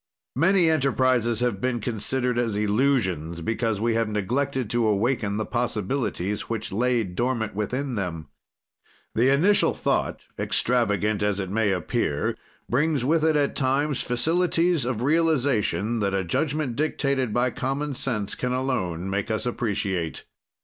Many enterprises have been considered as illusions because we have neglected to awaken the possibilities which lay dormant within them. The initial thought, extravagant as it may appear, brings with it, at times, facilities of realization that a judgment dictated by common sense can alone make us appreciate.